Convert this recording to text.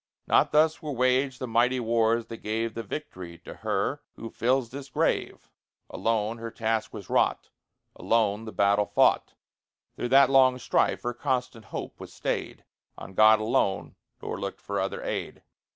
Not thus were waged the mighty wars that gave The victory to her who fills this grave: Alone her task was wrought, Alone the battle fought; Through that long strife her constant hope was staid On God alone, nor looked for other aid.